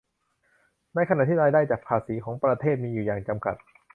ในขณะที่รายได้จากภาษีของประเทศมีอยู่อย่างจำกัด